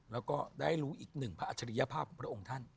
แล้วก็ได้รู้อีกหนึ่งพระอัจฉริยภาพของพระองค์ท่าน